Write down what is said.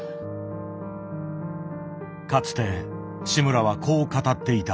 かつて志村はこう語っていた。